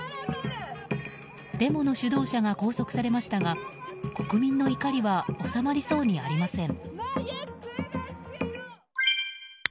デモの主導者は拘束されましたが国民の怒りは収まりそうにありません。